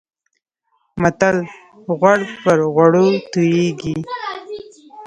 متل: غوړ پر غوړو تويېږي.